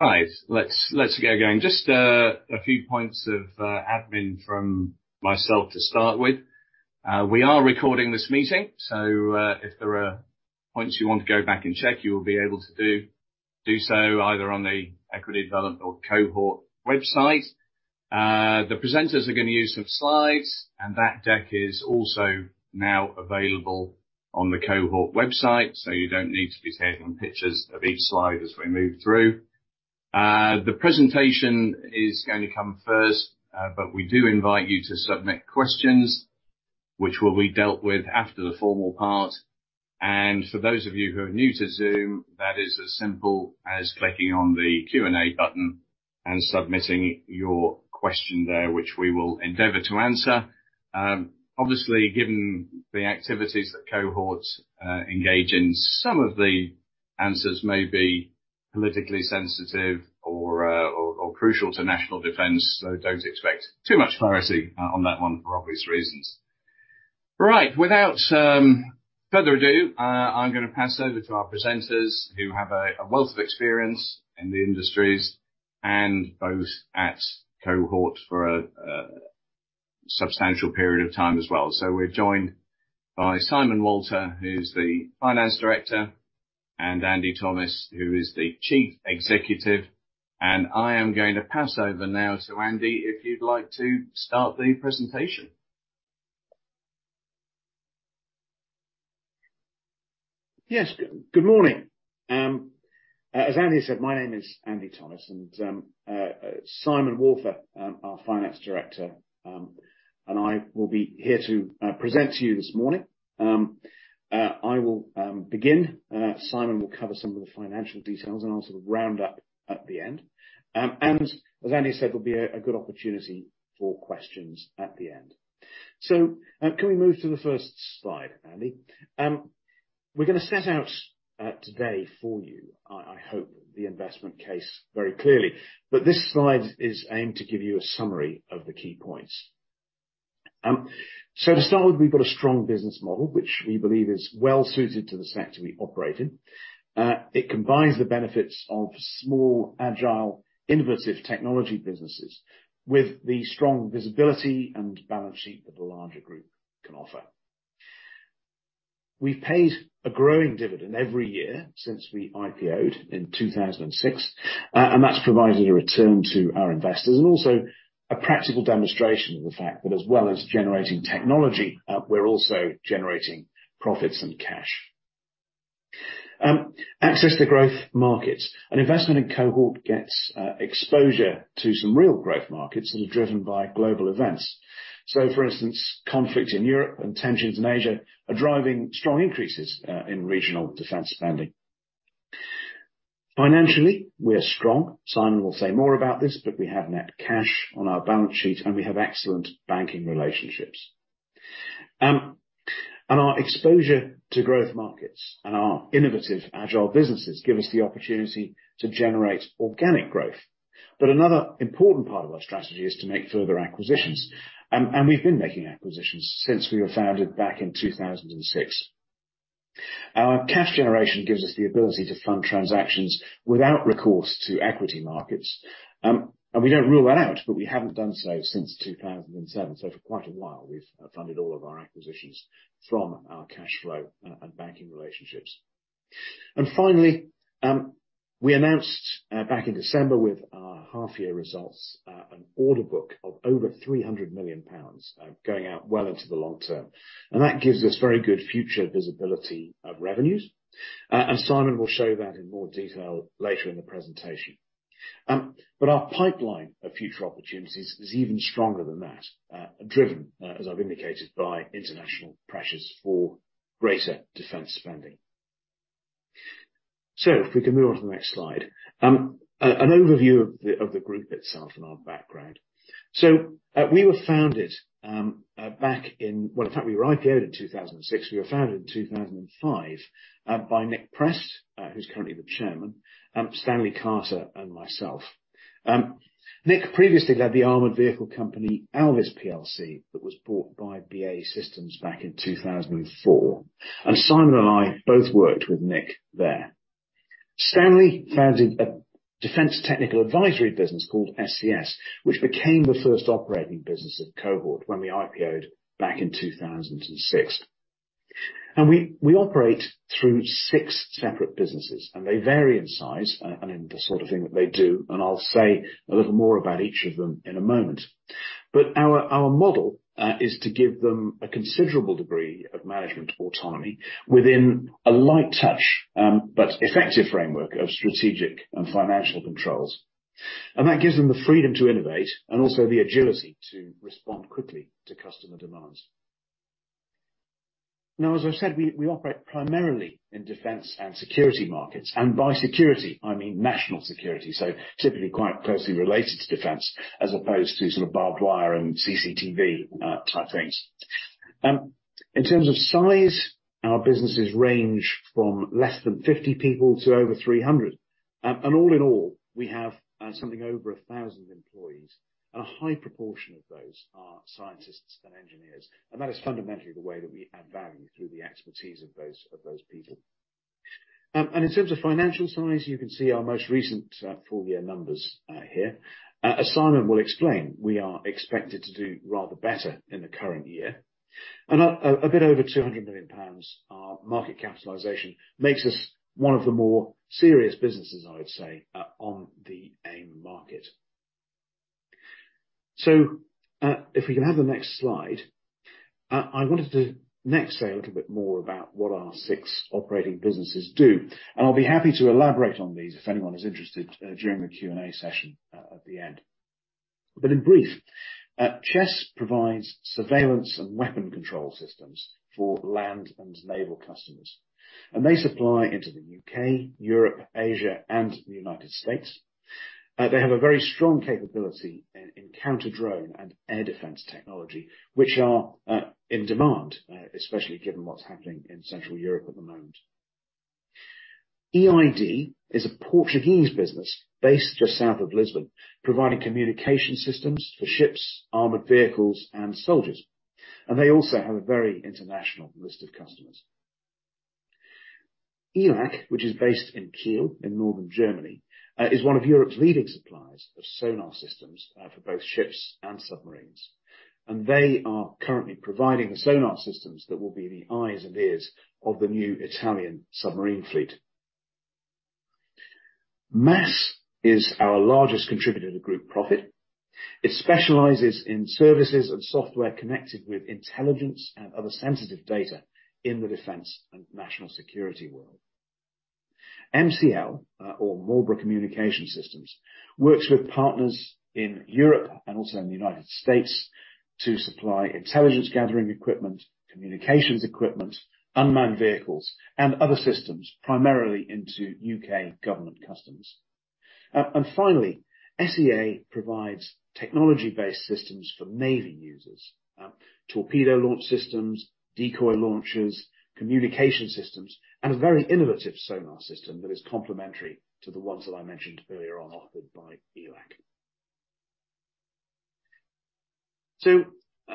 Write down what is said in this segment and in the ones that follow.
Right. Let's get going. Just a few points of admin from myself to start with. We are recording this meeting, so if there are points you want to go back and check, you will be able to do so either on the Equity Development or Cohort website. The presenters are gonna use some slides, and that deck is also now available on the Cohort website, so you don't need to be taking pictures of each slide as we move through. The presentation is gonna come first, we do invite you to submit questions, which will be dealt with after the formal part. For those of you who are new to Zoom, that is as simple as clicking on the Q&A button and submitting your question there, which we will endeavor to answer. Obviously, given the activities that Cohort engage in, some of the answers may be politically sensitive or crucial to national defense, so don't expect too much clarity on that one for obvious reasons. Right. Without further ado, I'm gonna pass over to our presenters who have a wealth of experience in the industries and both at Cohort for a substantial period of time as well. We're joined by Simon Walther, who's the Finance Director, and Andy Thomis, who is the Chief Executive. I am going to pass over now to Andy, if you'd like to start the presentation. Yes. Good morning. As Andy said, my name is Andy Thomis, and Simon Walther, our Finance Director, and I will be here to present to you this morning. I will begin, Simon will cover some of the financial details, and I'll sort of round up at the end. As Andy said, there'll be a good opportunity for questions at the end. Can we move to the first slide, Andy? We're gonna set out today for you, I hope the investment case very clearly, but this slide is aimed to give you a summary of the key points. To start with, we've got a strong business model, which we believe is well suited to the sector we operate in. It combines the benefits of small, agile, innovative technology businesses with the strong visibility and balance sheet that a larger group can offer. We've paid a growing dividend every year since we IPO'd in 2006. That's provided a return to our investors and also a practical demonstration of the fact that as well as generating technology, we're also generating profits and cash. Access to growth markets. An investment in Cohort gets exposure to some real growth markets that are driven by global events. For instance, conflict in Europe and tensions in Asia are driving strong increases in regional defense spending. Financially, we are strong. Simon will say more about this, but we have net cash on our balance sheet, and we have excellent banking relationships. Our exposure to growth markets and our innovative agile businesses give us the opportunity to generate organic growth. Another important part of our strategy is to make further acquisitions. We've been making acquisitions since we were founded back in 2006. Our cash generation gives us the ability to fund transactions without recourse to equity markets. We don't rule that out, but we haven't done so since 2007. For quite a while, we've funded all of our acquisitions from our cash flow and banking relationships. Finally, we announced back in December with our half-year results an order book of over 300 million pounds going out well into the long term. That gives us very good future visibility of revenues. Simon will show that in more detail later in the presentation. Our pipeline of future opportunities is even stronger than that, driven, as I've indicated, by international pressures for greater defense spending. If we can move on to the next slide. An overview of the group itself and our background. We were founded back in-- well, in fact, we were IPO'd in 2006. We were founded in 2005 by Nick Prest, who's currently the chairman, Stanley Carter and myself. Nick previously led the armored vehicle company, Alvis plc, that was bought by BAE Systems back in 2004, and Simon and I both worked with Nick there. Stanley founded a defense technical advisory business called SCS, which became the first operating business of Cohort when we IPO'd back in 2006. We operate through six separate businesses, and they vary in size, and in the sort of thing that they do, and I'll say a little more about each of them in a moment. Our model is to give them a considerable degree of management autonomy within a light touch, but effective framework of strategic and financial controls. That gives them the freedom to innovate and also the agility to respond quickly to customer demands. Now, as I said, we operate primarily in defense and security markets. By security, I mean national security, so typically quite closely related to defense as opposed to sort of barbed wire and CCTV type things. In terms of size, our businesses range from less than 50 people to over 300. All in all, we have something over 1,000 employees, and a high proportion of those are scientists and engineers, and that is fundamentally the way that we add value through the expertise of those people. In terms of financial size, you can see our most recent full year numbers here. As Simon will explain, we are expected to do rather better in the current year. A bit over 200 million pounds, our market capitalization makes us one of the more serious businesses, I would say, on the AIM market. If we can have the next slide. I wanted to next say a little bit more about what our six operating businesses do, and I'll be happy to elaborate on these if anyone is interested during the Q&A session at the end. In brief, Chess provides surveillance and weapon control systems for land and naval customers, and they supply into the U.K., Europe, Asia, and the United States. They have a very strong capability in counter-drone and air defense technology, which are in demand, especially given what's happening in Central Europe at the moment. EID is a Portuguese business based just south of Lisbon, providing communication systems for ships, armored vehicles, and soldiers. They also have a very international list of customers. ELAC, which is based in Kiel, in Northern Germany, is one of Europe's leading suppliers of sonar systems for both ships and submarines. They are currently providing the sonar systems that will be the eyes and ears of the new Italian submarine fleet. MASS is our largest contributor to group profit. It specializes in services and software connected with intelligence and other sensitive data in the defense and national security world. MCL, or Marlborough Communication systems, works with partners in Europe and also in the United States to supply intelligence gathering equipment, communications equipment, unmanned vehicles, and other systems, primarily into UK government customs. Finally, SEA provides technology-based systems for Navy users, torpedo launch systems, decoy launchers, communication systems, and a very innovative sonar system that is complementary to the ones that I mentioned earlier on offered by ELAC.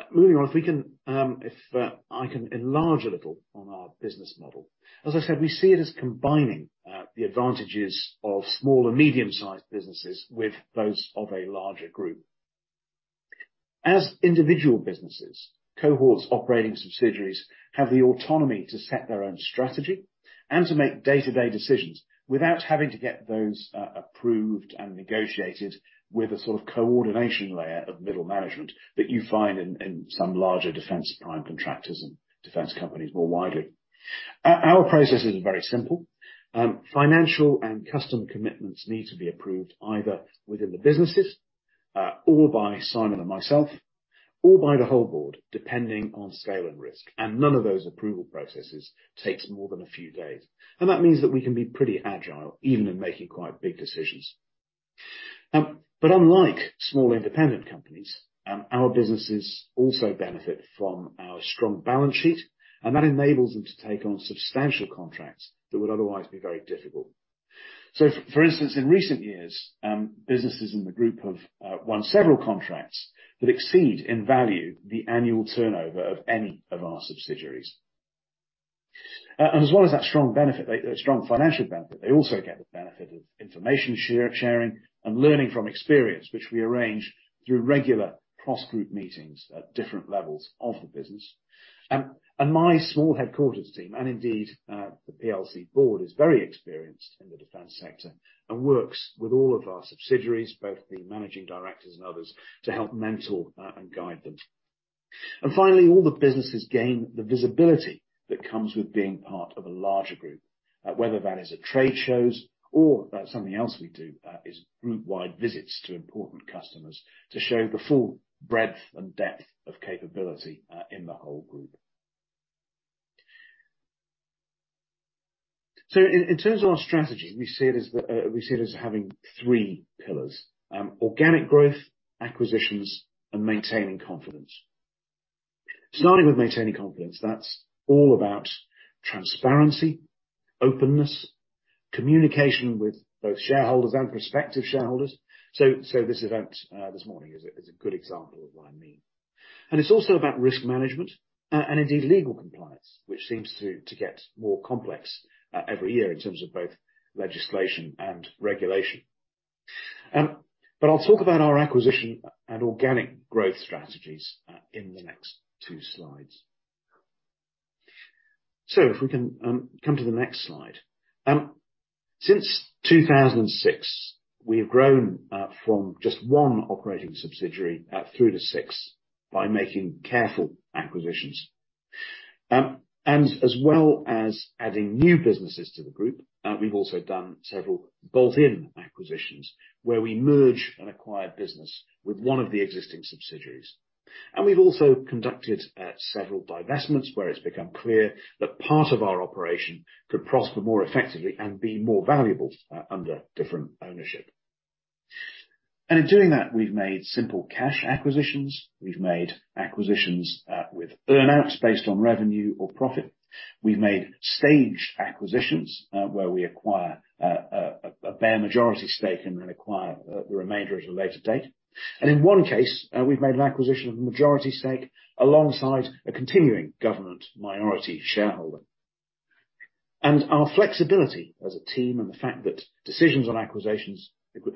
Moving on, if we can, if I can enlarge a little on our business model. As I said, we see it as combining the advantages of small and medium-sized businesses with those of a larger group. As individual businesses, Cohort's operating subsidiaries have the autonomy to set their own strategy and to make day-to-day decisions without having to get those approved and negotiated with a sort of coordination layer of middle management that you find in some larger defense prime contractors and defense companies more widely. Our process is very simple: Financial and customer commitments need to be approved either within the businesses or by Simon and myself, or by the whole board, depending on scale and risk. None of those approval processes takes more than a few days. That means that we can be pretty agile, even in making quite big decisions. Unlike small independent companies, our businesses also benefit from our strong balance sheet, and that enables them to take on substantial contracts that would otherwise be very difficult. For instance, in recent years, businesses in the group have won several contracts that exceed in value the annual turnover of any of our subsidiaries. As well as that strong benefit, strong financial benefit, they also get the benefit of information sharing and learning from experience, which we arrange through regular cross-group meetings at different levels of the business. My small headquarters team, and indeed, the PLC board, is very experienced in the defense sector and works with all of our subsidiaries, both the managing directors and others, to help mentor, and guide them. Finally, all the businesses gain the visibility that comes with being part of a larger group, whether that is at trade shows or something else we do, is group-wide visits to important customers to show the full breadth and depth of capability, in the whole group. In terms of our strategy, we see it as, we see it as having three pillars: organic growth, acquisitions, and maintaining confidence. Starting with maintaining confidence, that's all about transparency, openness, communication with both shareholders and prospective shareholders. This event, this morning is a, is a good example of what I mean. It's also about risk management and indeed legal compliance, which seems to get more complex, every year in terms of both legislation and regulation. I'll talk about our acquisition and organic growth strategies in the next two slides. If we can come to the next slide. Since 2006, we have grown from just one operating subsidiary through to six by making careful acquisitions. As well as adding new businesses to the group, we've also done several built-in acquisitions where we merge an acquired business with one of the existing subsidiaries. We've also conducted several divestments where it's become clear that part of our operation could prosper more effectively and be more valuable under different ownership. In doing that, we've made simple cash acquisitions, we've made acquisitions with earn-outs based on revenue or profit. We've made staged acquisitions, where we acquire a bare majority stake and then acquire the remainder at a later date. In one case, we've made an acquisition of a majority stake alongside a continuing government minority shareholder. Our flexibility as a team, and the fact that decisions on acquisitions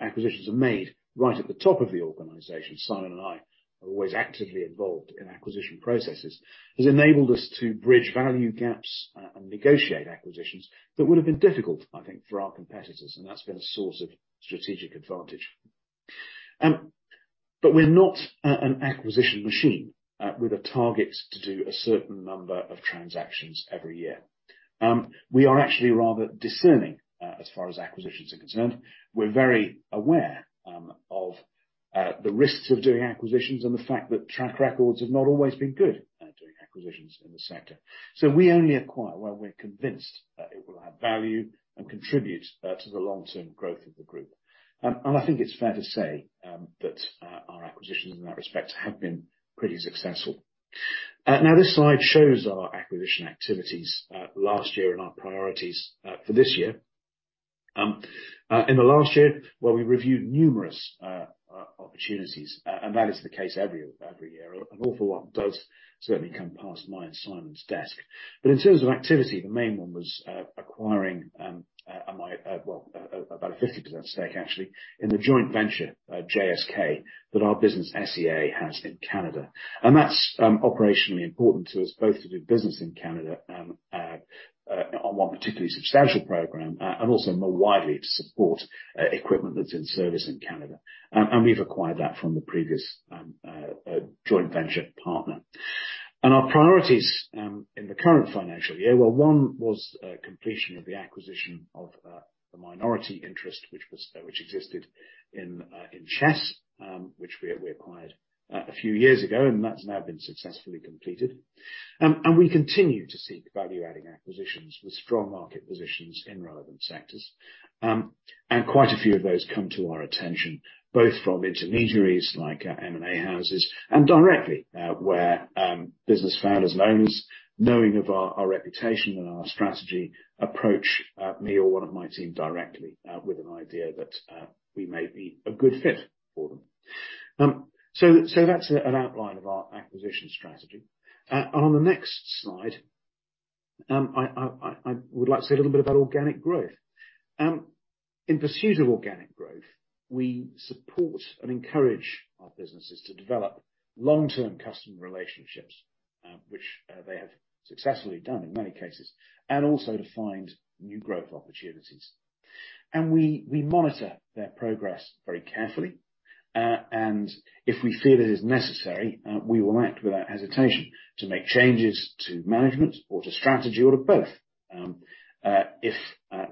are made right at the top of the organization, Simon and I are always actively involved in acquisition processes, has enabled us to bridge value gaps and negotiate acquisitions that would have been difficult, I think, for our competitors, and that's been a source of strategic advantage. We're not an acquisition machine with a target to do a certain number of transactions every year. We are actually rather discerning as far as acquisitions are concerned. We're very aware of the risks of doing acquisitions and the fact that track records have not always been good at doing acquisitions in the sector. We only acquire when we're convinced that it will add value and contribute to the long-term growth of the group. I think it's fair to say that our acquisitions in that respect have been pretty successful. This slide shows our acquisition activities last year and our priorities for this year. In the last year, well, we reviewed numerous opportunities, that is the case every year. An awful lot does certainly come past my and Simon's desk. In terms of activity, the main one was, well, about a 50% stake, actually, in the joint venture, JSK, that our business, SEA, has in Canada. That's operationally important to us both to do business in Canada, on one particularly substantial program, and also more widely to support equipment that's in service in Canada. We've acquired that from the previous joint venture partner. Our priorities in the current financial year. Well, one was completion of the acquisition of the minority interest which existed in Chess, which we acquired a few years ago, and that's now been successfully completed. We continue to seek value-adding acquisitions with strong market positions in relevant sectors. Quite a few of those come to our attention, both from intermediaries like our M&A houses, and directly, where business founders and owners, knowing of our reputation and our strategy, approach me or one of my team directly with an idea that we may be a good fit for them. That's an outline of our acquisition strategy. On the next slide, I would like to say a little bit about organic growth. In pursuit of organic growth, we support and encourage our businesses to develop long-term customer relationships, which they have successfully done in many cases, and also to find new growth opportunities. We monitor their progress very carefully, and if we feel it is necessary, we will act without hesitation to make changes to management or to strategy or to both, if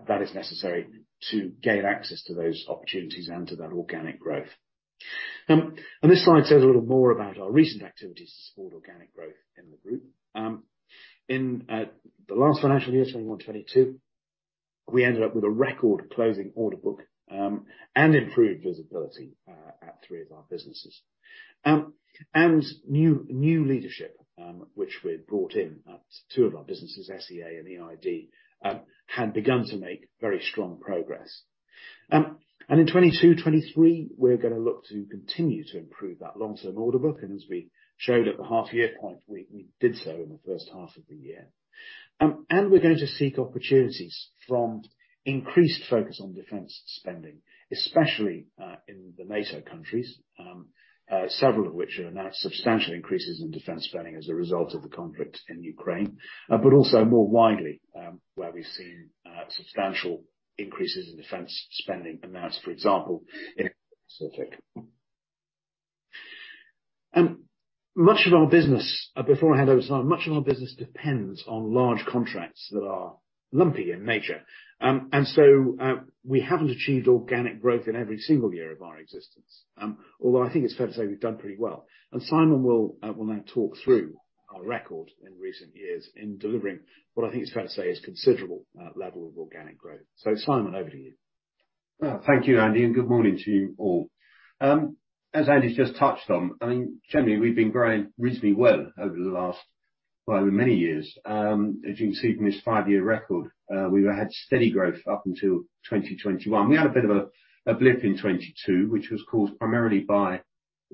that is necessary to gain access to those opportunities and to that organic growth. This slide says a little more about our recent activities to support organic growth in the group. In the last financial year, 2021, 2022, we ended up with a record closing order book, and improved visibility at three of our businesses. New leadership, which we've brought in at two of our businesses, SEA and EID, had begun to make very strong progress. In 2022, 2023, we're gonna look to continue to improve that long-term order book, and as we showed at the half year point, we did so in the first half of the year. We're going to seek opportunities from increased focus on defense spending, especially in the NATO countries, several of which have announced substantial increases in defense spending as a result of the conflict in Ukraine. Also more widely, where we've seen substantial increases in defense spending announced, for example, in Pacific. Much of our business, before I hand over to Simon, much of our business depends on large contracts that are lumpy in nature. We haven't achieved organic growth in every single year of our existence, although I think it's fair to say we've done pretty well. Simon will now talk through our record in recent years in delivering what I think it's fair to say is considerable level of organic growth. Simon, over to you. Well, thank you, Andy. Good morning to you all. As Andy's just touched on, I mean, generally, we've been growing reasonably well over the last, well, many years. As you can see from this five-year record, we've had steady growth up until 2021. We had a bit of a blip in 2022, which was caused primarily by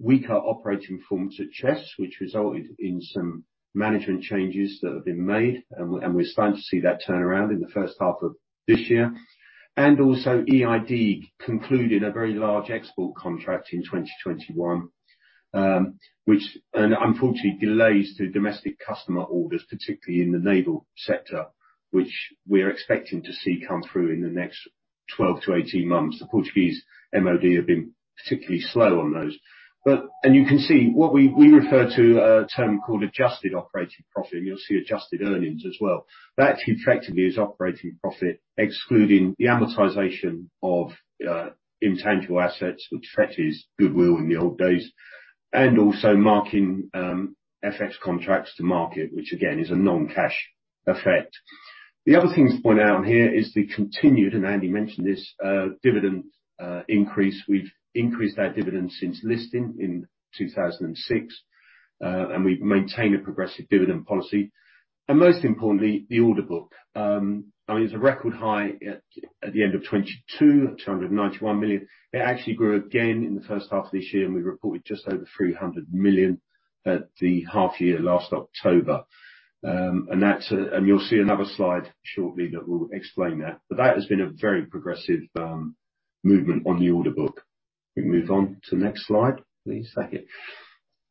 weaker operating performance at Chess, which resulted in some management changes that have been made, and we're starting to see that turn around in the first half of this year. Also, EID concluded a very large export contract in 2021, unfortunately delays to domestic customer orders, particularly in the naval sector, which we're expecting to see come through in the next 12 to 18 months. The Portuguese MOD have been particularly slow on those. You can see what we refer to a term called adjusted operating profit, and you'll see adjusted earnings as well. That actually effectively is operating profit, excluding the amortization of intangible assets, which fetters goodwill in the old days, and also marking FX contracts to market, which again, is a non-cash effect. The other thing to point out here is the continued, and Andy mentioned this, dividend increase. We've increased our dividends since listing in 2006. We've maintained a progressive dividend policy. Most importantly, the order book. I mean, it's a record high at the end of 2022, at 291 million. It actually grew again in the first half of this year, and we reported just over 300 million at the half year last October. You'll see another slide shortly that will explain that. That has been a very progressive movement on the order book. We can move on to the next slide, please. Thank you.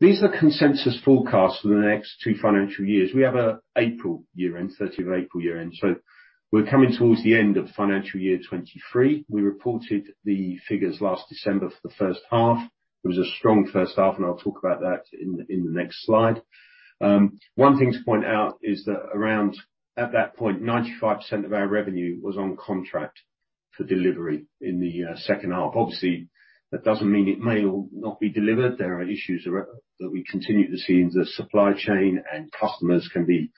These are consensus forecasts for the next two financial years. We have an April year-end, 30th of April year-end, so we're coming towards the end of financial year 2023. We reported the figures last December for the first half. It was a strong first half, and I'll talk about that in the next slide. One thing to point out is that around, at that point, 95% of our revenue was on contract for delivery in the second half. Obviously, that doesn't mean it may or not be delivered. There are issues that we continue to see in the supply chain, customers can be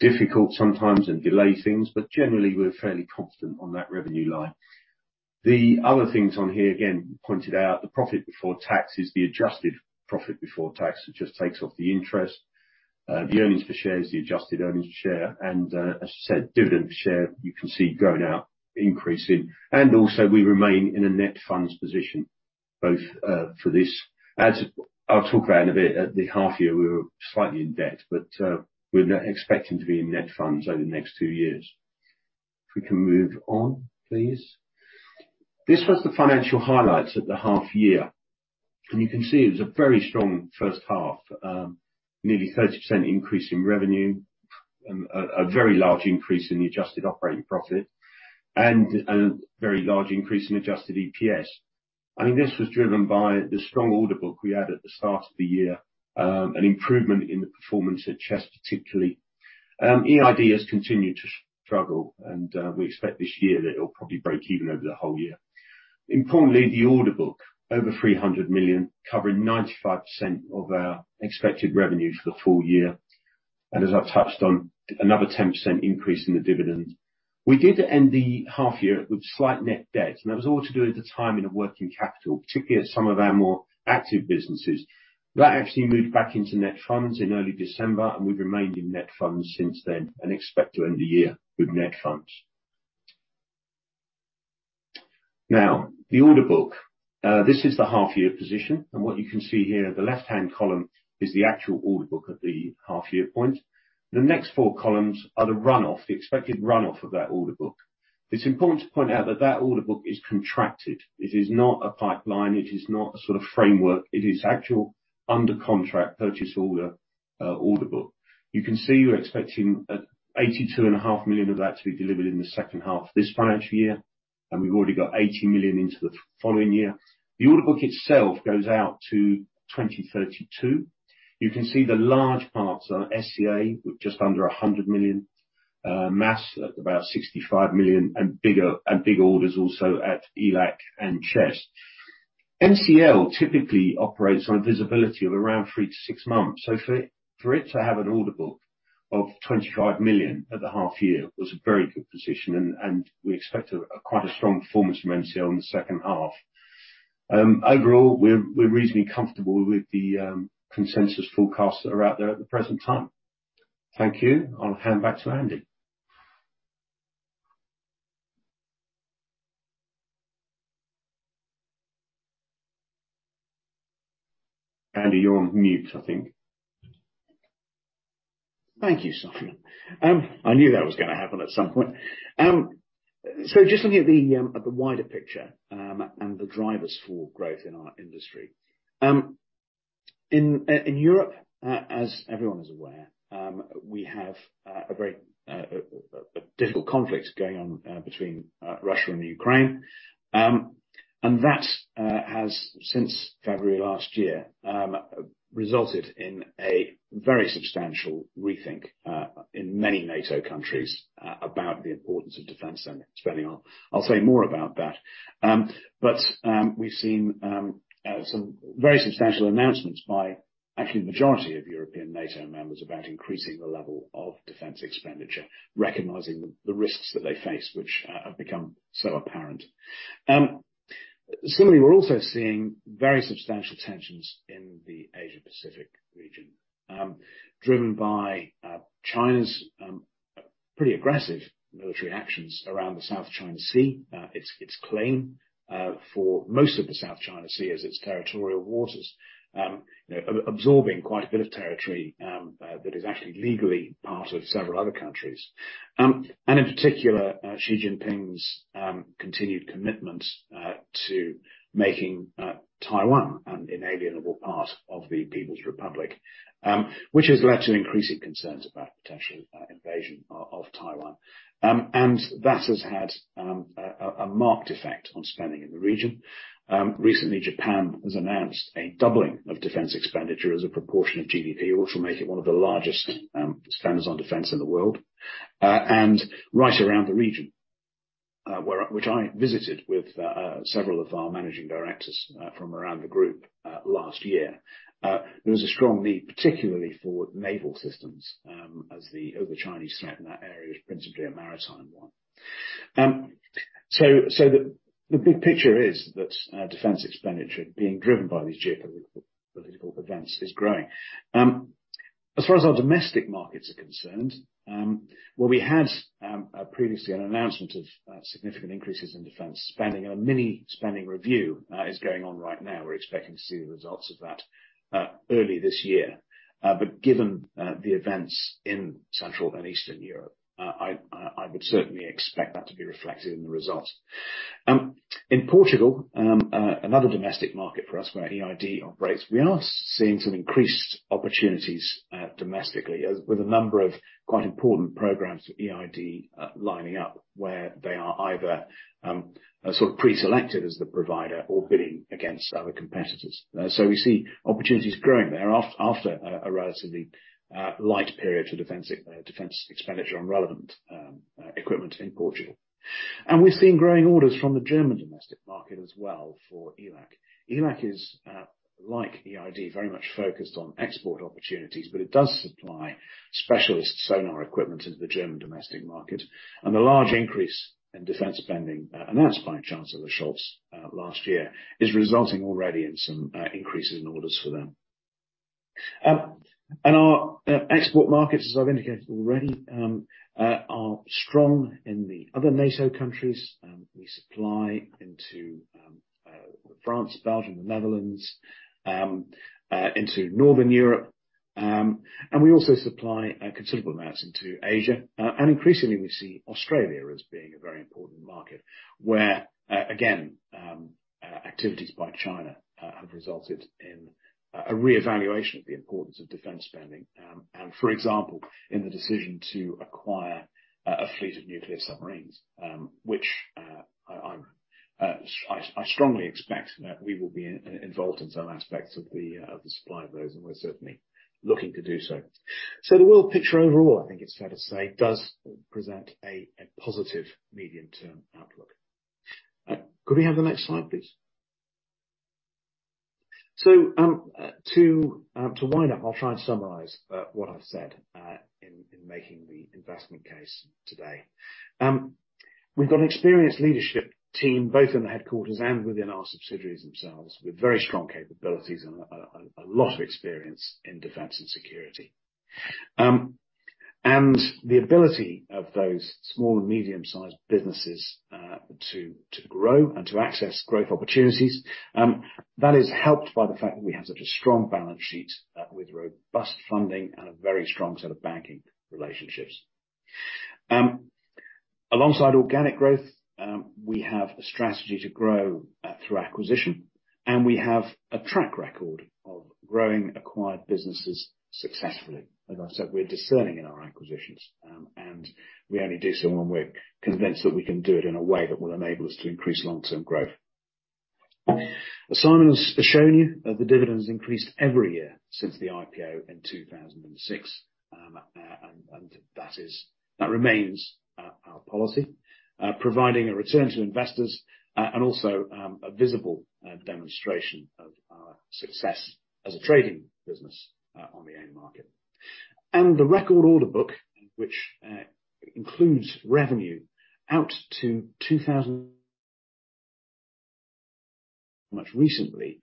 difficult sometimes and delay things, but generally we're fairly confident on that revenue line. The other things on here, again, pointed out the profit before tax is the adjusted profit before tax. It just takes off the interest. The earnings per share is the adjusted earnings per share and, as I said, dividend per share, you can see going out, increasing. Also we remain in a net funds position, both for this. I'll talk about in a bit, at the half year, we were slightly in debt, but we're now expecting to be in net funds over the next two years. If we can move on, please. This was the financial highlights at the half year, you can see it was a very strong first half. Nearly 30% increase in revenue, a very large increase in the adjusted operating profit and very large increase in adjusted EPS. I mean, this was driven by the strong order book we had at the start of the year, an improvement in the performance at Chess particularly. EID has continued to struggle, and we expect this year that it'll probably break even over the whole year. Importantly, the order book, over 300 million, covering 95% of our expected revenue for the full year, and as I've touched on, another 10% increase in the dividend. We did end the half year with slight net debt, and that was all to do with the timing of working capital, particularly at some of our more active businesses. That actually moved back into net funds in early December. We've remained in net funds since then and expect to end the year with net funds. Now, the order book, this is the half year position, and what you can see here in the left-hand column is the actual order book at the half year point. The next four columns are the runoff, the expected runoff of that order book. It's important to point out that that order book is contracted. It is not a pipeline. It is not a sort of framework. It is actual under contract purchase order book. You can see we're expecting 82.5 million of that to be delivered in the second half this financial year, and we've already got 80 million into the following year. The order book itself goes out to 2032. You can see the large parts are SEA, with just under 100 million, MASS at about 65 million, and big orders also at ELAC and Chess. MCL typically operates on visibility of around three to six months. For it to have an order book of 25 million at the half year was a very good position, and we expect a quite strong performance from MCL in the second half. Overall, we're reasonably comfortable with the consensus forecasts that are out there at the present time. Thank you. I'll hand back to Andy. Andy, you're on mute, I think. Thank you, Simon. I knew that was gonna happen at some point. Just looking at the, at the wider picture, and the drivers for growth in our industry. In, in Europe, as everyone is aware, we have a very a difficult conflict going on between Russia and Ukraine. That has since February last year, resulted in a very substantial rethink in many NATO countries about the importance of defense and spending. I'll say more about that. We've seen some very substantial announcements by actually the majority of European NATO members about increasing the level of defense expenditure, recognizing the risks that they face, which have become so apparent. Similarly, we're also seeing very substantial tensions in the Asia Pacific region, driven by China's pretty aggressive military actions around the South China Sea. Its claim for most of the South China Sea as its territorial waters, you know, absorbing quite a bit of territory that is actually legally part of several other countries. In particular, Xi Jinping's continued commitment to making Taiwan an inalienable part of the People's Republic, which has led to increasing concerns about potential invasion of Taiwan. That has had a marked effect on spending in the region. Recently, Japan has announced a doubling of defense expenditure as a proportion of GDP, which will make it one of the largest spenders on defense in the world. Right around the region which I visited with several of our managing directors from around the group last year. There was a strong need, particularly for naval systems, as the Chinese threat in that area is principally a maritime one. The big picture is that defense expenditure being driven by these geopolitical events is growing. As far as our domestic markets are concerned, well, we had previously an announcement of significant increases in defense spending, and a mini-spending review is going on right now. We're expecting to see the results of that early this year. Given the events in Central and Eastern Europe, I would certainly expect that to be reflected in the result. In Portugal, another domestic market for us where EID operates, we are seeing some increased opportunities domestically, with a number of quite important programs for EID lining up where they are either sort of pre-selected as the provider or bidding against other competitors. We see opportunities growing there after a relatively light period for defense defense expenditure on relevant equipment in Portugal. We've seen growing orders from the German domestic market as well for ELAC. ELAC is like EID, very much focused on export opportunities, but it does supply specialist sonar equipment into the German domestic market. The large increase in defense spending announced by Chancellor Scholz last year, is resulting already in some increases in orders for them. Our export markets, as I've indicated already, are strong in the other NATO countries. We supply into France, Belgium, the Netherlands, into northern Europe. We also supply considerable amounts into Asia. Increasingly we see Australia as being a very important market, where again, activities by China have resulted in a reevaluation of the importance of defense spending, and for example, in the decision to acquire a fleet of nuclear submarines, which I strongly expect that we will be involved in some aspects of the supply of those, and we're certainly looking to do so. The world picture overall, I think it's fair to say, does present a positive medium-term outlook. Could we have the next slide, please? To wind up, I'll try and summarize what I've said in making the investment case today. We've got an experienced leadership team, both in the headquarters and within our subsidiaries themselves, with very strong capabilities and a lot of experience in defense and security. The ability of those small and medium-sized businesses to grow and to access growth opportunities, that is helped by the fact that we have such a strong balance sheet with robust funding and a very strong set of banking relationships. Alongside organic growth, we have a strategy to grow through acquisition, and we have a track record of growing acquired businesses successfully. As I said, we're discerning in our acquisitions, and we only do so when we're convinced that we can do it in a way that will enable us to increase long-term growth. As Simon has shown you, the dividend's increased every year since the IPO in 2006. That remains our policy providing a return to investors, and also a visible demonstration of our success as a trading business on the AIM market. The record order book, which includes revenue out to 2000 much recently,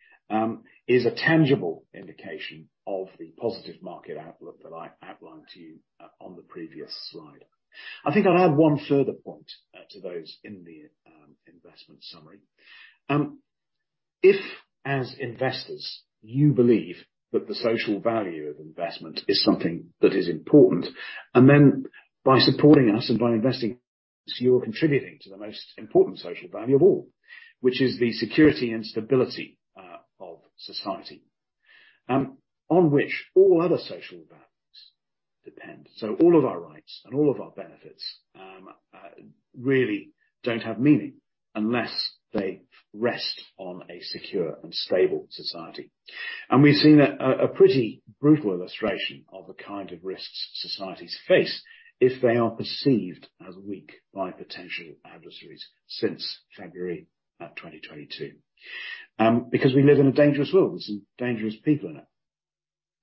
is a tangible indication of the positive market outlook that I outlined to you on the previous slide. I think I'll add one further point to those in the investment summary. If, as investors, you believe that the social value of investment is something that is important, and then by supporting us and by investing, you're contributing to the most important social value of all, which is the security and stability of society, on which all other social values depend. All of our rights and all of our benefits really don't have meaning unless they rest on a secure and stable society. We've seen a pretty brutal illustration of the kind of risks societies face if they are perceived as weak by potential adversaries since February 2022. Because we live in a dangerous world with some dangerous people in it.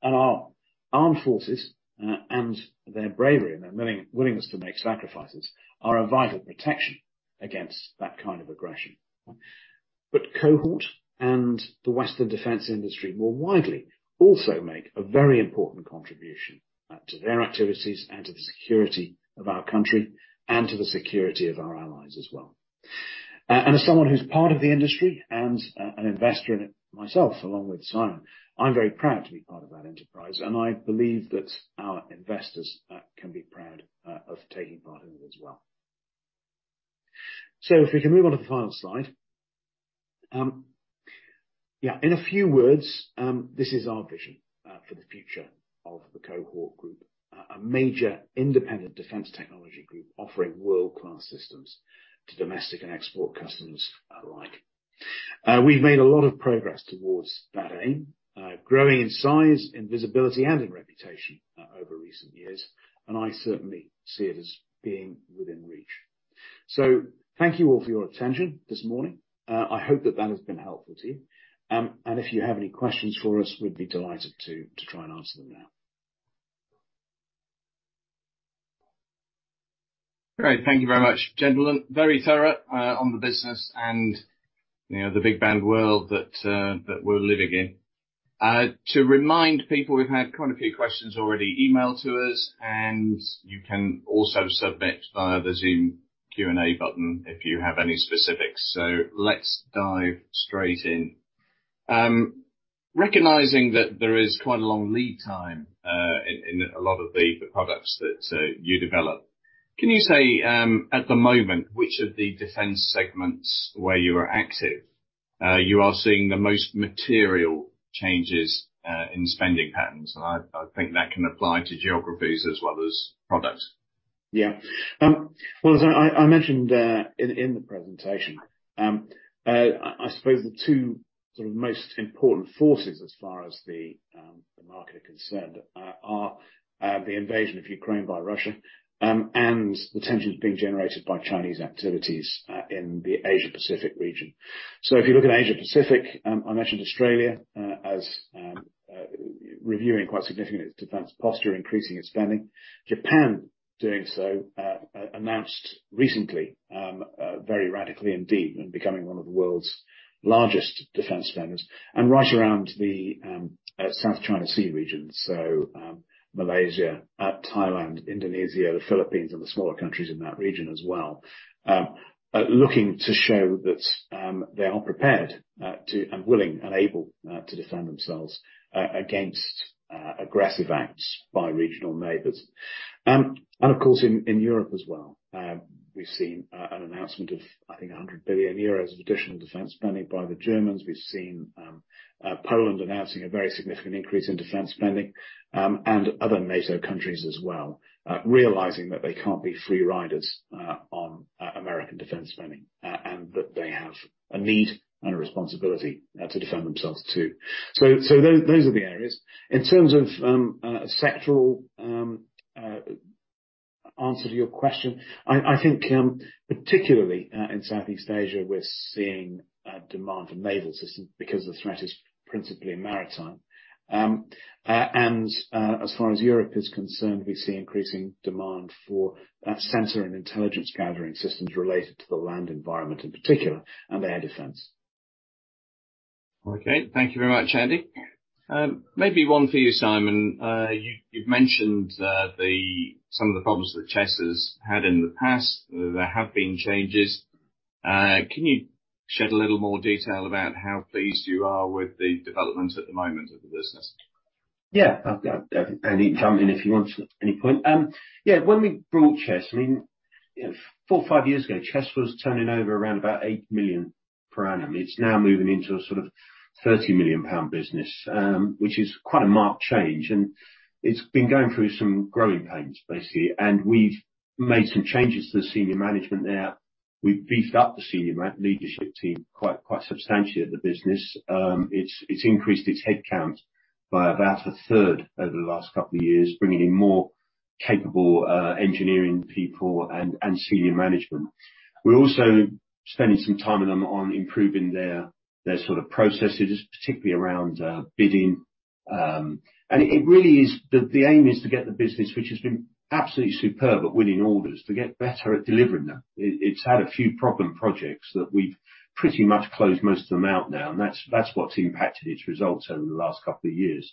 Our armed forces, and their bravery and their willingness to make sacrifices are a vital protection against that kind of aggression. Cohort and the Western defense industry more widely, also make a very important contribution to their activities and to the security of our country and to the security of our allies as well. As someone who's part of the industry and an investor in it myself, along with Simon, I'm very proud to be part of that enterprise, and I believe that our investors can be proud of taking part in it as well. If we can move on to the final slide. Yeah, in a few words, this is our vision for the future of the Cohort Group, a major independent defense technology group offering world-class systems to domestic and export customers alike. We've made a lot of progress towards that aim, growing in size, in visibility, and in reputation, over recent years, and I certainly see it as being within reach. Thank you all for your attention this morning. I hope that that has been helpful to you. If you have any questions for us, we'd be delighted to try and answer them now. Great. Thank you very much, gentlemen. Very thorough, on the business and, you know, the big, bad world that we're living in. To remind people, we've had quite a few questions already emailed to us, and you can also submit via the Zoom Q&A button if you have any specifics. Let's dive straight in. Recognizing that there is quite a long lead time, in a lot of the products that, you develop, can you say, at the moment, which of the defense segments where you are active, you are seeing the most material changes, in spending patterns? I think that can apply to geographies as well as products. Yeah. Well, as I mentioned in the presentation, I suppose the two sort of most important forces as far as the market are concerned are the invasion of Ukraine by Russia and the tensions being generated by Chinese activities in the Asia Pacific region. If you look at Asia Pacific, I mentioned Australia as reviewing quite significantly its defense posture, increasing its spending. Japan doing so, announced recently, very radically indeed, and becoming one of the world's largest defense spenders. Right around the South China Sea region, Malaysia, Thailand, Indonesia, the Philippines, and the smaller countries in that region as well, are looking to show that they are prepared to and willing and able to defend themselves against aggressive acts by regional neighbors. Of course, in Europe as well, we've seen an announcement of, I think, 100 billion euros of additional defense spending by the Germans. We've seen Poland announcing a very significant increase in defense spending, and other NATO countries as well, realizing that they can't be free riders on American defense spending, and that they have a need and a responsibility to defend themselves too. Those are the areas. In terms of a sectoral answer to your question, I think particularly in Southeast Asia, we're seeing demand for naval systems because the threat is principally maritime. As far as Europe is concerned, we see increasing demand for sensor and intelligence gathering systems related to the land environment in particular, and air defense. Okay. Thank you very much, Andy. Maybe one for you, Simon. You've mentioned some of the problems that Chess has had in the past. There have been changes. Can you shed a little more detail about how pleased you are with the developments at the moment of the business? Yeah. Andy, jump in if you want at any point. Yeah, when we brought Chess, I mean, you know, four, five years ago, Chess was turning over around about 8 million per annum. It's now moving into a sort of 30 million pound business, which is quite a marked change. It's been going through some growing pains, basically. We've made some changes to the senior management there. We've beefed up the senior leadership team quite substantially at the business. It's increased its headcount by about a third over the last couple of years, bringing in more capable engineering people and senior management. We're also spending some time with them on improving their sort of processes particularly around bidding. It really is the aim is to get the business, which has been absolutely superb at winning orders, to get better at delivering them. It's had a few problem projects that we've pretty much closed most of them out now, and that's what's impacted its results over the last couple of years.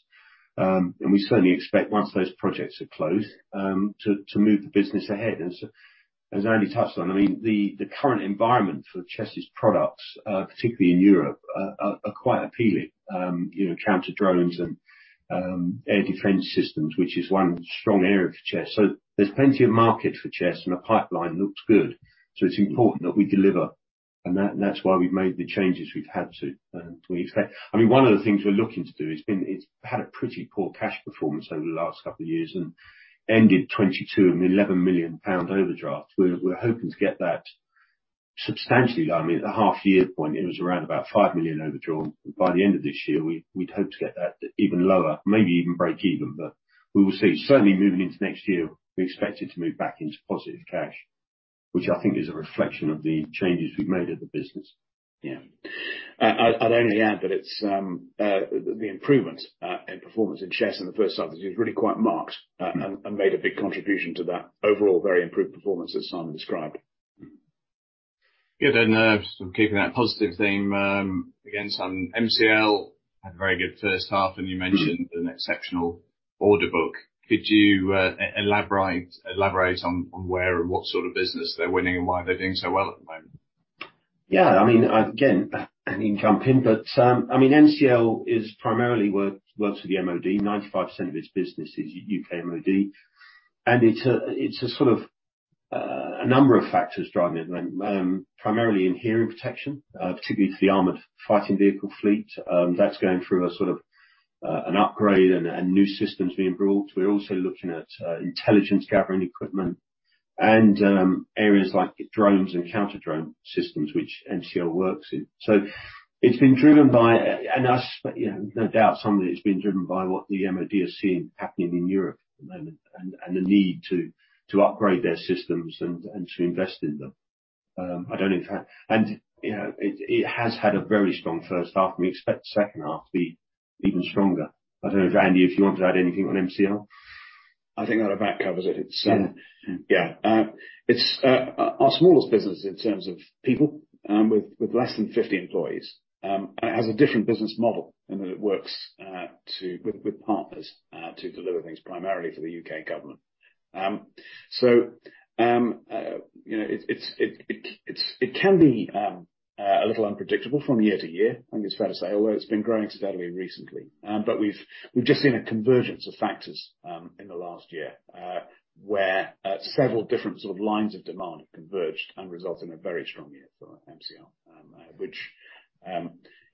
We certainly expect, once those projects are closed, to move the business ahead. As Andy touched on, I mean, the current environment for Chess's products, particularly in Europe, are quite appealing, you know, counter-drone and air defense systems, which is one strong area for Chess. There's plenty of market for Chess, and the pipeline looks good, so it's important that we deliver, and that's why we've made the changes we've had to. I mean, one of the things we're looking to do, it's had a pretty poor cash performance over the last couple of years and ended 2022 with a 11 million pound overdraft. We're hoping to get that substantially down. I mean, at the half year point, it was around about 5 million overdraft. By the end of this year, we'd hope to get that even lower, maybe even breakeven, but we will see. Certainly moving into next year, we expect it to move back into positive cash, which I think is a reflection of the changes we've made at the business. Yeah. I'd only add that it's the improvement in performance in Chess in the first half of the year is really quite marked, and made a big contribution to that overall very improved performance as Simon described. Good. Sort of keeping that positive theme, again, Simon, MCL had a very good first half, and you mentioned an exceptional order book. Could you elaborate on where and what sort of business they're winning and why they're doing so well at the moment? Yeah. I mean, again, Andy can jump in, but, I mean, MCL is primarily works for the MOD. 95% of its business is U.K. MOD, it's a sort of a number of factors driving it, primarily in hearing protection, particularly for the armored fighting vehicle fleet. That's going through a sort of an upgrade and new systems being brought. We're also looking at intelligence gathering equipment Areas like drones and counter-drone systems which MCL works in. It's been driven by and us, you know, no doubt some of it's been driven by what the MOD is seeing happening in Europe at the moment and the need to upgrade their systems and to invest in them. I don't know if that, you know, it has had a very strong first half, and we expect the second half to be even stronger. I don't know if, Andy, if you want to add anything on MCL. I think that about covers it. Yeah. It's, yeah. It's our smallest business in terms of people, with less than 50 employees, and has a different business model in that it works with partners to deliver things primarily for the UK government. So, you know, it's a little unpredictable from year to year. I think it's fair to say, although it's been growing steadily recently. But we've just seen a convergence of factors in the last year, where several different sort of lines of demand have converged and result in a very strong year for MCL, which,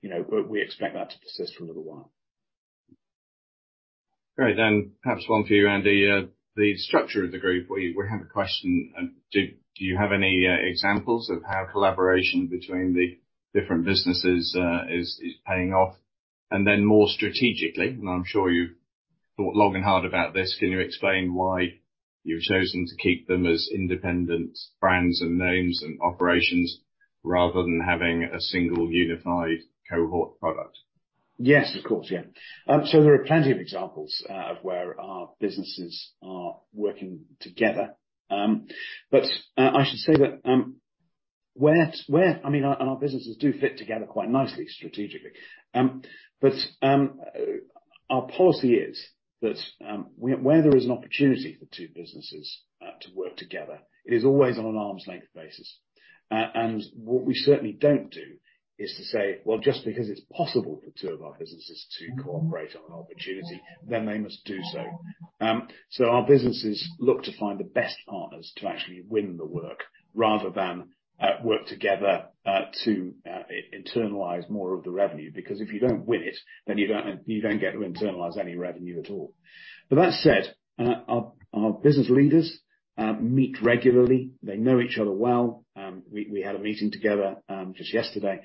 you know, but we expect that to persist for a little while. All right, then. Perhaps one for you, Andy. The structure of the group, we have a question. Do you have any examples of how collaboration between the different businesses is paying off? More strategically, and I'm sure you've thought long and hard about this, can you explain why you've chosen to keep them as independent brands and names and operations rather than having a single unified cohort product? Yes, of course. Yeah. There are plenty of examples of where our businesses are working together. I should say that, where I mean, our businesses do fit together quite nicely strategically. Our policy is that, where there is an opportunity for two businesses to work together, it is always on an arm's length basis. What we certainly don't do is to say, "Well, just because it's possible for two of our businesses to cooperate on an opportunity, then they must do so." Our businesses look to find the best partners to actually win the work rather than work together to internalize more of the revenue, because if you don't win it, then you don't get to internalize any revenue at all. That said, our business leaders meet regularly. They know each other well. We had a meeting together just yesterday.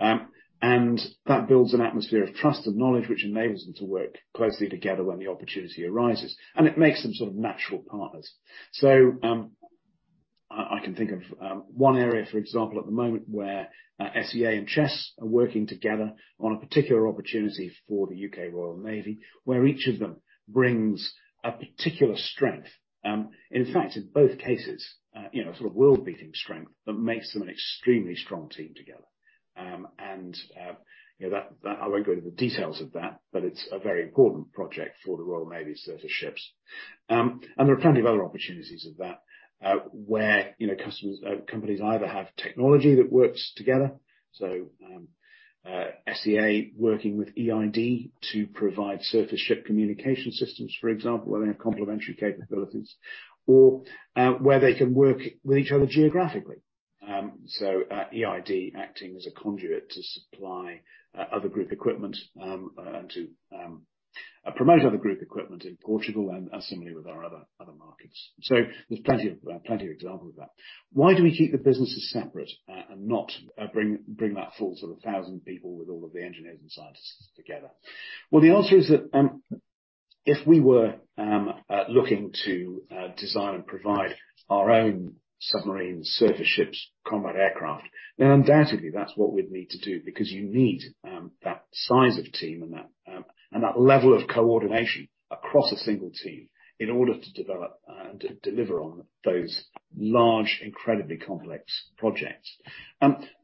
That builds an atmosphere of trust and knowledge, which enables them to work closely together when the opportunity arises, and it makes them sort of natural partners. I can think of one area, for example, at the moment where SEA and Chess are working together on a particular opportunity for the UK Royal Navy, where each of them brings a particular strength. In fact, in both cases, you know, sort of world-beating strength that makes them an extremely strong team together. You know, I won't go into the details of that, but it's a very important project for the Royal Navy's surface ships. There are plenty of other opportunities of that, where, you know, companies either have technology that works together, so SEA working with EID to provide surface ship communication systems, for example, where they have complementary capabilities, or where they can work with each other geographically. EID acting as a conduit to supply other group equipment, and to promote other group equipment in Portugal and similarly with our other markets. There's plenty of examples of that. Why do we keep the businesses separate, and not bring that full sort of 1,000 people with all of the engineers and scientists together? The answer is that, if we were looking to design and provide our own submarines, surface ships, combat aircraft, then undoubtedly that's what we'd need to do, because you need that size of team and that and that level of coordination across a single team in order to develop and deliver on those large, incredibly complex projects.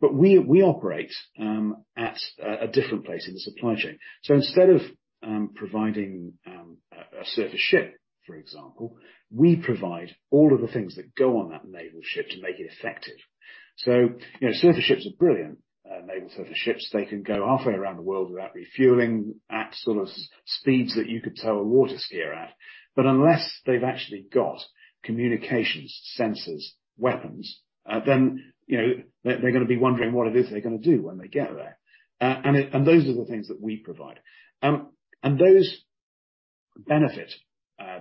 We operate at a different place in the supply chain. Instead of providing a surface ship, for example, we provide all of the things that go on that naval ship to make it effective. You know, surface ships are brilliant. Naval surface ships, they can go halfway around the world without refueling at sort of speeds that you could tow a water skier at. Unless they've actually got communications, sensors, weapons, then, you know, they're gonna be wondering what it is they're gonna do when they get there. Those are the things that we provide. Those benefit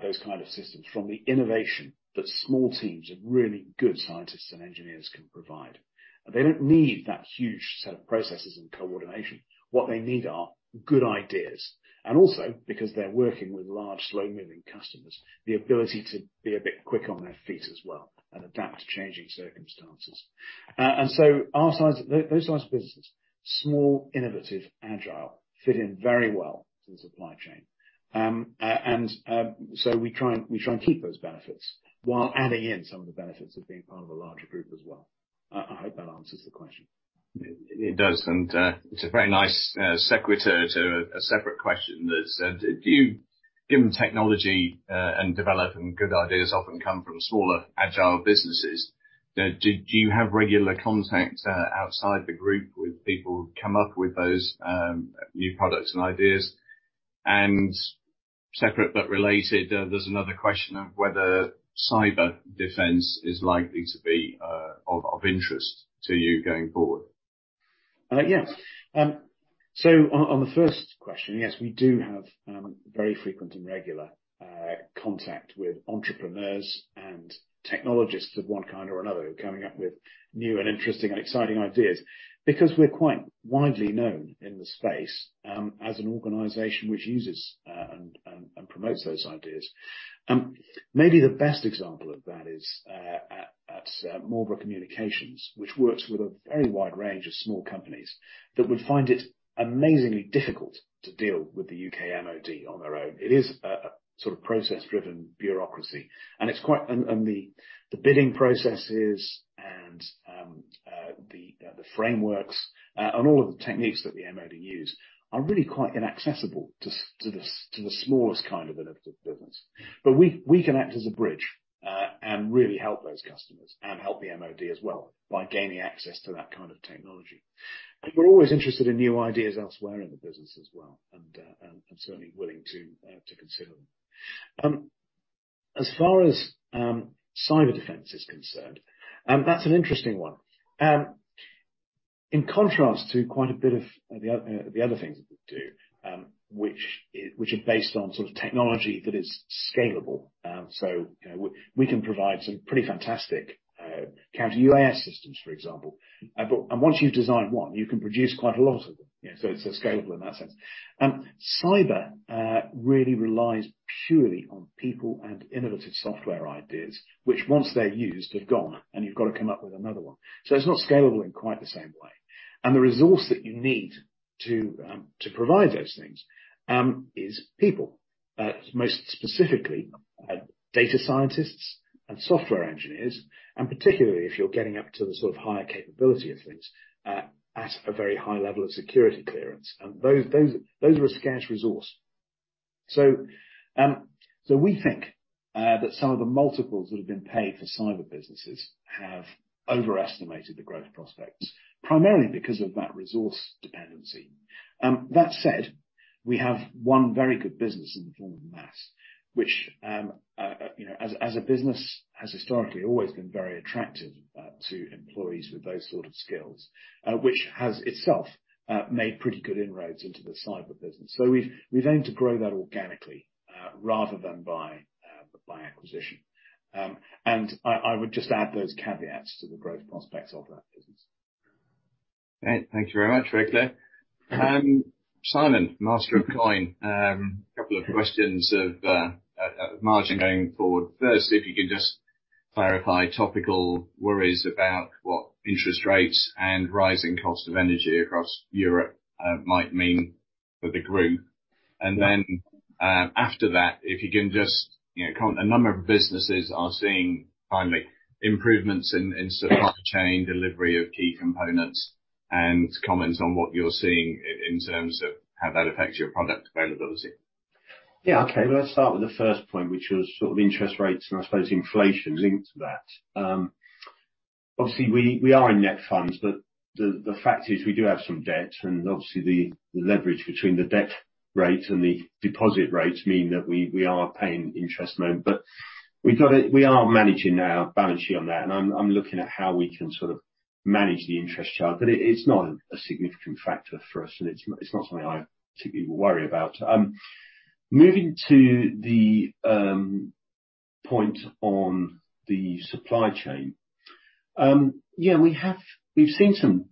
those kind of systems from the innovation that small teams of really good scientists and engineers can provide. They don't need that huge set of processes and coordination. What they need are good ideas and also because they're working with large, slow-moving customers, the ability to be a bit quick on their feet as well and adapt to changing circumstances. So those size businesses, small, innovative, agile, fit in very well to the supply chain. So we try and keep those benefits while adding in some of the benefits of being part of a larger group as well. I hope that answers the question. It does, and it's a very nice sequitur to a separate question that said, given technology and development, good ideas often come from smaller, agile businesses. Now, do you have regular contact outside the group with people who come up with those new products and ideas? Separate but related, there's another question of whether cyber defense is likely to be of interest to you going forward. Yes. On the first question, yes, we do have very frequent and regular contact with entrepreneurs and technologists of one kind or another who are coming up with new and interesting and exciting ideas because we're quite widely known in the space as an organization which uses and promotes those ideas. Maybe the best example of that is at Marlborough Communications, which works with a very wide range of small companies that would find it amazingly difficult to deal with the UK MOD on their own. It is a sort of process driven bureaucracy, and it's quite. The bidding processes and the frameworks and all of the techniques that the MOD use are really quite inaccessible to the smallest kind of innovative business. We can act as a bridge and really help those customers and help the MOD as well by gaining access to that kind of technology. We're always interested in new ideas elsewhere in the business as well, certainly willing to consider them. As far as cyber defense is concerned, that's an interesting one. In contrast to quite a bit of the other things that we do, which are based on sort of technology that is scalable, we can provide some pretty fantastic Counter-UAS systems, for example. Once you've designed one, you can produce quite a lot of them. It's scalable in that sense. Cyber really relies purely on people and innovative software ideas, which once they're used, they're gone, and you've got to come up with another one. It's not scalable in quite the same way. The resource that you need to provide those things is people, most specifically data scientists and software engineers, and particularly if you're getting up to the sort of higher capability of things at a very high level of security clearance. Those are a scarce resource. We think that some of the multiples that have been paid for cyber businesses have overestimated the growth prospects, primarily because of that resource dependency. That said, we have one very good business in the form of MASS, which, you know, as a business, has historically always been very attractive, to employees with those sort of skills, which has itself, made pretty good inroads into the cyber business. We've aimed to grow that organically, rather than by acquisition. I would just add those caveats to the growth prospects of that business. Great. Thank you very much. Great. Simon, master of coin, a couple of questions of margin going forward. Firstly, if you could just clarify topical worries about what interest rates and rising cost of energy across Europe might mean for the group. Then, after that, if you can just, you know, a number of businesses are seeing, finally, improvements in supply chain delivery of key components and comments on what you're seeing in terms of how that affects your product availability. Okay. Let's start with the first point, which was sort of interest rates, and I suppose inflation linked to that. Obviously we are in net funds, but the fact is we do have some debt, and obviously the leverage between the debt rates and the deposit rates mean that we are paying interest a moment. We are managing our balance sheet on that, and I'm looking at how we can sort of manage the interest charge. It's not a significant factor for us, and it's not something I particularly worry about. Moving to the point on the supply chain. We've seen some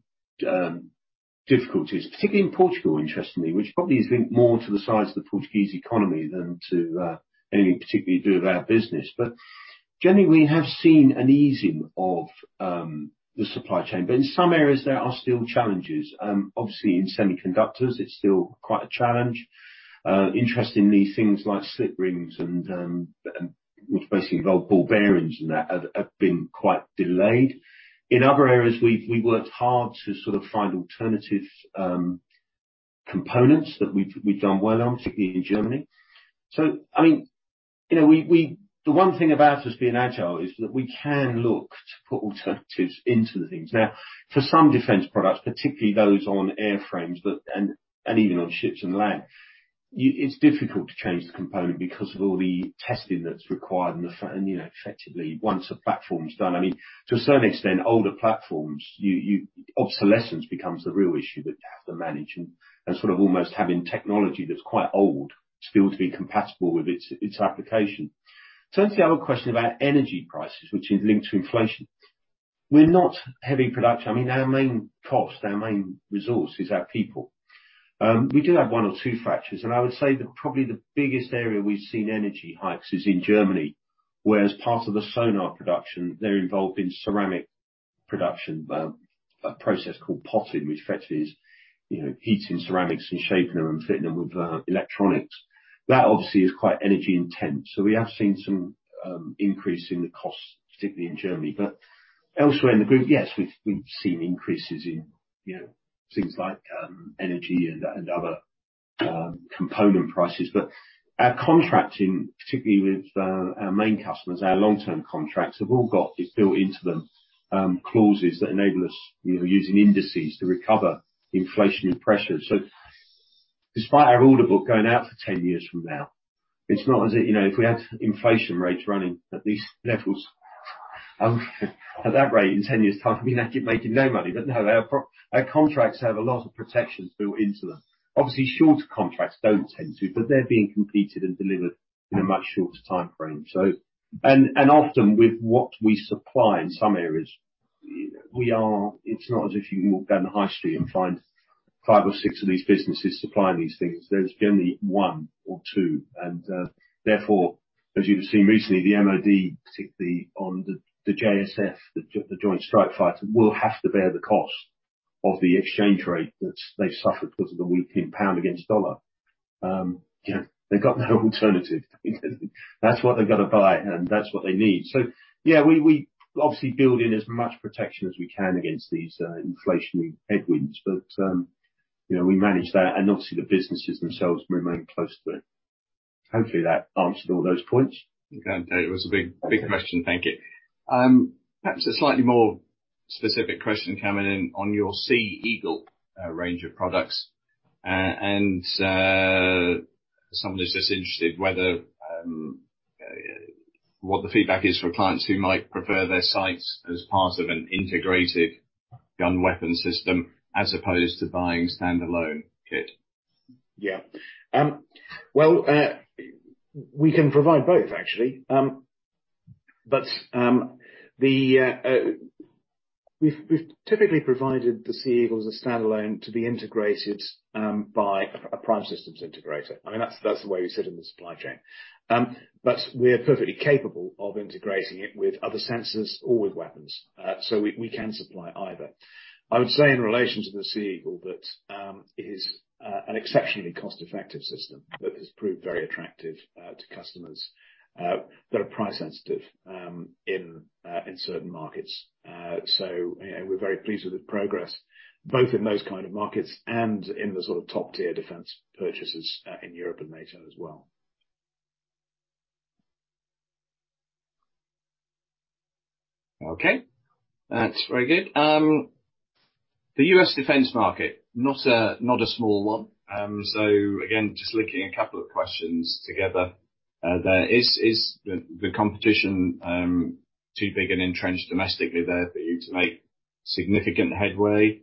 difficulties, particularly in Portugal, interestingly, which probably is linked more to the size of the Portuguese economy than to anything particularly to do with our business. Generally, we have seen an easing of the supply chain. In some areas there are still challenges. Obviously in semiconductors, it's still quite a challenge. Interestingly, things like slip rings and which basically involve ball bearings and that, have been quite delayed. In other areas we worked hard to sort of find alternative components that we've done well on, particularly in Germany. I mean, you know, the one thing about us being agile is that we can look to put alternatives into the things. For some defense products, particularly those on airframes, but and even on ships and land, it's difficult to change the component because of all the testing that's required and the fact, you know, effectively, once a platform's done, I mean, to a certain extent, older platforms, obsolescence becomes the real issue that you have to manage and sort of almost having technology that's quite old still to be compatible with its application. Turn to the other question about energy prices, which is linked to inflation. We're not heavy production. I mean, our main cost, our main resource is our people. We do have one or two factories, I would say that probably the biggest area we've seen energy hikes is in Germany, where as part of the sonar production, they're involved in ceramic production, a process called pottery, which effectively is, you know, heating ceramics and shaping them and fitting them with electronics. That obviously is quite energy intense. We have seen some increase in the costs, particularly in Germany. Elsewhere in the group, yes, we've seen increases in, you know, things like energy and other component prices. Our contracting, particularly with our main customers, our long-term contracts, have all got built into them, clauses that enable us, you know, using indices to recover inflationary pressures. Despite our order book going out for 10 years from now, it's not as if, you know, if we had inflation rates running at these levels, at that rate, in 10 years' time, we'd actually making no money. Our contracts have a lot of protections built into them. Obviously, shorter contracts don't tend to, but they're being completed and delivered in a much shorter timeframe. Often with what we supply in some areas, you know, it's not as if you can walk down the high street and find five or six of these businesses supplying these things. There's generally one or two. Therefore, as you've seen recently, the MOD, particularly on the JSF, the Joint Strike Fighter, will have to bear the cost of the exchange rate that they've suffered because of the weakening pound against dollar. you know, they've got no alternative. That's what they've gotta buy, and that's what they need. Yeah, we obviously build in as much protection as we can against these inflationary headwinds. you know, we manage that, and obviously, the businesses themselves remain close to it. Hopefully, that answered all those points. It did. It was a big question. Thank you. Perhaps a slightly more specific question coming in on your SeaEagle range of products. Someone is just interested whether what the feedback is for clients who might prefer their sites as part of an integrated gun weapon system as opposed to buying standalone kit. Yeah. Well, we can provide both actually. We've typically provided the SeaEagle as a standalone to be integrated by a prime systems integrator. I mean, that's the way we sit in the supply chain. We're perfectly capable of integrating it with other sensors or with weapons. We can supply either. I would say in relation to the SeaEagle that it is an exceptionally cost-effective system that has proved very attractive to customers that are price sensitive in certain markets. You know, we're very pleased with the progress, both in those kind of markets and in the sort of top-tier defense purchases in Europe and NATO as well. Okay. That's very good. The U.S. Defense market, not a, not a small one. Again, just linking a couple of questions together, there. Is the competition too big and entrenched domestically there for you to make significant headway?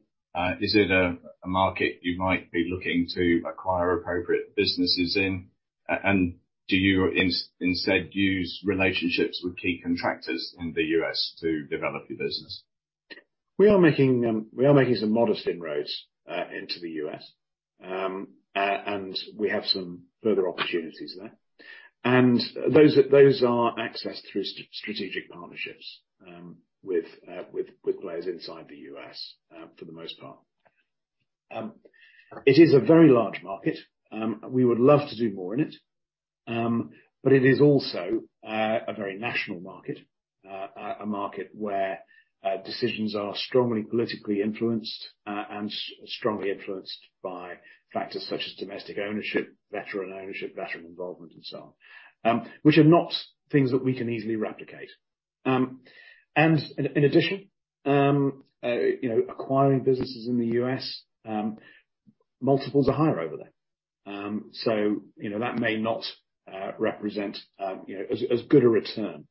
Is it a market you might be looking to acquire appropriate businesses in? Do you instead use relationships with key contractors in the U.S. to develop your business? We are making some modest inroads into the U.S.. We have some further opportunities there. Those are accessed through strategic partnerships with players inside the U.S. for the most part. It is a very large market. We would love to do more in it, but it is also a very national market, a market where decisions are strongly politically influenced and strongly influenced by factors such as domestic ownership, veteran ownership, veteran involvement and so on, which are not things that we can easily replicate. In addition, you know, acquiring businesses in the U.S., multiples are higher over there. You know, that may not represent, you know, as good a return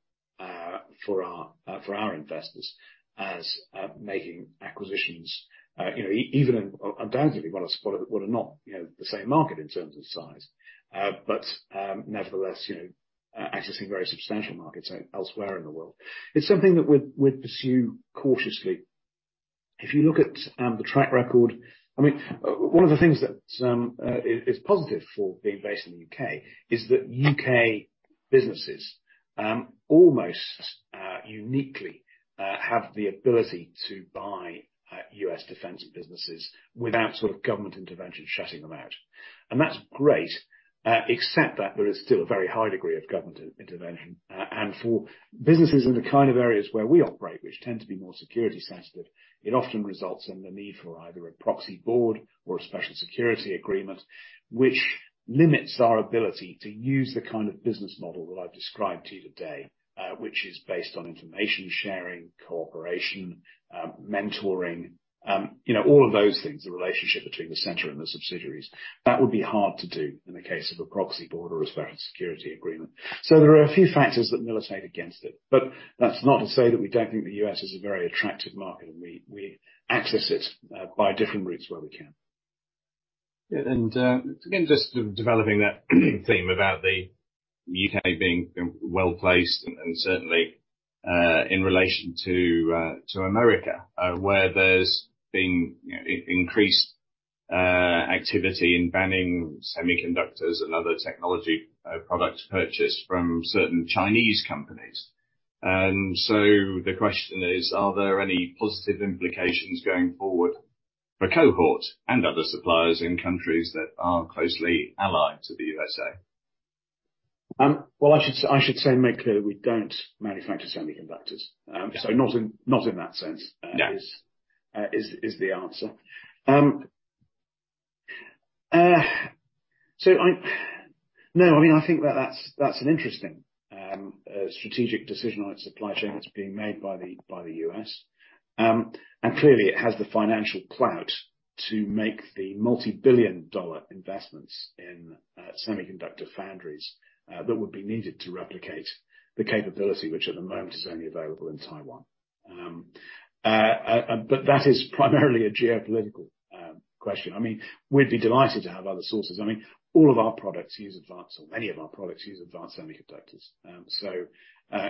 for our for our investors as making acquisitions, you know, even undoubtedly, what are not, you know, the same market in terms of size, nevertheless, you know, accessing very substantial markets elsewhere in the world. It's something that we'd pursue cautiously. If you look at the track record. I mean, one of the things that is positive for being based in the U.K. is that U.K. businesses almost uniquely have the ability to buy U.S. defense businesses without sort of government intervention shutting them out. That's great, except that there is still a very high degree of government intervention. For businesses in the kind of areas where we operate, which tend to be more security sensitive, it often results in the need for either a proxy board or a special security agreement, which limits our ability to use the kind of business model that I've described to you today, which is based on information sharing, cooperation, mentoring, you know, all of those things, the relationship between the center and the subsidiaries. That would be hard to do in the case of a proxy board or a special security agreement. There are a few factors that militate against it, but that's not to say that we don't think the U.S. is a very attractive market, and we access it by different routes where we can. Yeah. Again, just developing that theme about the U.K. being well-placed and certainly in relation to America, where there's been increased activity in banning semiconductors and other technology products purchased from certain Chinese companies. The question is, are there any positive implications going forward for Cohort and other suppliers in countries that are closely allied to the USA? Well, I should say, and make clear that we don't manufacture semiconductors. Not in that sense... Yeah. is the answer. No, I mean, I think that's an interesting a strategic decision on its supply chain that's being made by the U.S. Clearly it has the financial clout to make the multi-billion dollar investments in semiconductor foundries that would be needed to replicate the capability which at the moment is only available in Taiwan. That is primarily a geopolitical question. I mean, we'd be delighted to have other sources. I mean, many of our products use advanced semiconductors.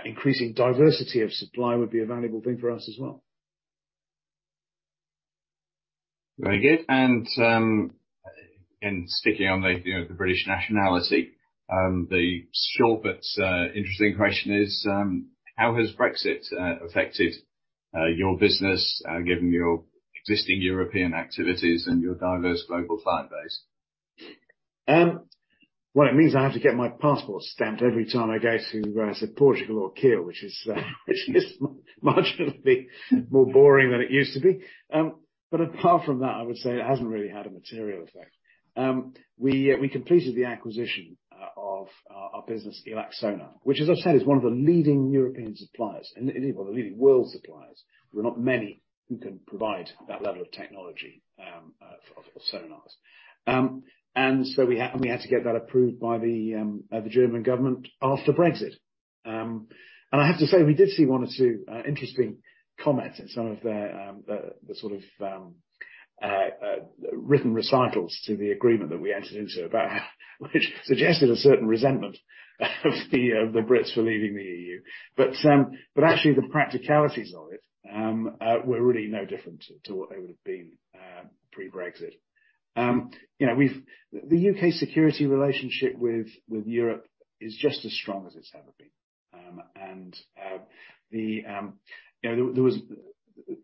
Increasing diversity of supply would be a valuable thing for us as well. Very good. Sticking on the, you know, the British nationality, the short but interesting question is, how has Brexit affected your business given your existing European activities and your diverse global client base? Well, it means I have to get my passport stamped every time I go to say, Portugal or Kiel, which is marginally more boring than it used to be. Apart from that, I would say it hasn't really had a material effect. We completed the acquisition of our business, ELAC SONAR, which as I've said, is one of the leading European suppliers and, indeed, one of the leading world suppliers. There are not many who can provide that level of technology for sonars. We had to get that approved by the German government after Brexit. I have to say, we did see one or two interesting comments in some of the sort of written recitals to the agreement that we entered into about that, which suggested a certain resentment of the Brits for leaving the EU. Actually the practicalities of it were really no different to what they would have been pre-Brexit. You know, the U.K. security relationship with Europe is just as strong as it's ever been.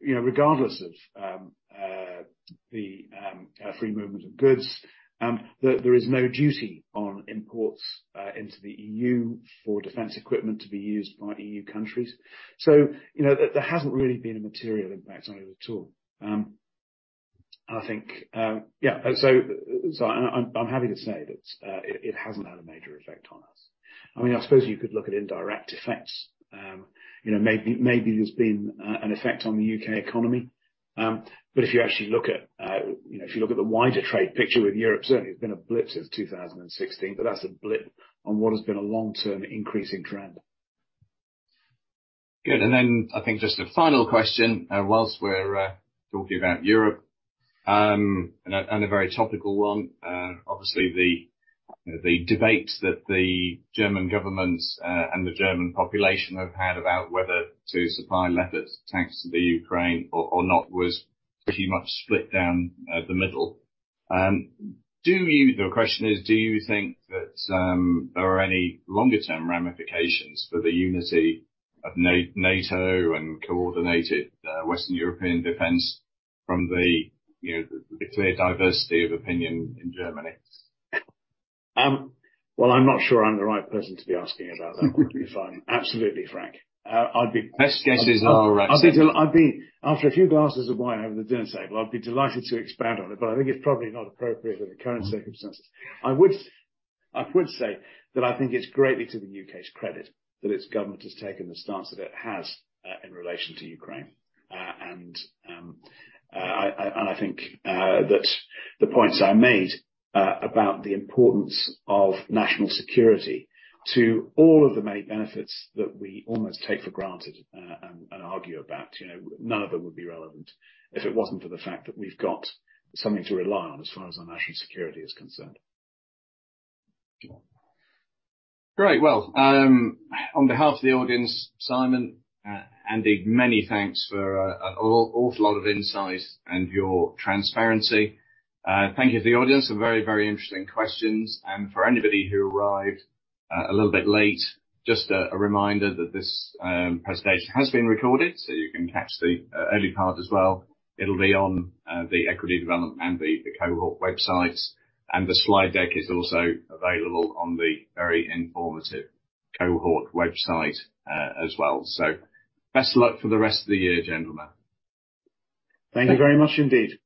You know, regardless of the free movement of goods, there is no duty on imports into the EU for defense equipment to be used by EU countries. You know, there hasn't really been a material impact on it at all. I think I'm happy to say that it hasn't had a major effect on us. I mean, I suppose you could look at indirect effects. You know, maybe there's been an effect on the U.K. economy. If you actually look at, you know, if you look at the wider trade picture with Europe, certainly there's been a blip since 2016, but that's a blip on what has been a long-term increasing trend. Good. I think just a final question, whilst we're talking about Europe, and a very topical one, obviously the debate that the German government and the German population have had about whether to supply Leopard tanks to the Ukraine or not was pretty much split down the middle. The question is, do you think that there are any longer term ramifications for the unity of NATO and coordinated Western European defense from the, you know, the clear diversity of opinion in Germany? I'm not sure I'm the right person to be asking about that, to be fine. Absolutely, Frank. Best guesses are absolutely- I'd be after a few glasses of wine over the dinner table, I'd be delighted to expand on it, but I think it's probably not appropriate in the current circumstances. I would say that I think it's greatly to the U.K.'s credit that its government has taken the stance that it has in relation to Ukraine. I think that the points I made about the importance of national security to all of the many benefits that we almost take for granted and argue about, you know, none of them would be relevant if it wasn't for the fact that we've got something to rely on as far as our national security is concerned. Great. Well, on behalf of the audience, Simon, Andy, many thanks for an awful lot of insight and your transparency. Thank you to the audience for very interesting questions. For anybody who arrived a little bit late, just a reminder that this presentation has been recorded, so you can catch the early part as well. It'll be on the Equity Development and the Cohort websites. The slide deck is also available on the very informative Cohort website as well. Best of luck for the rest of the year, gentlemen. Thank you very much indeed.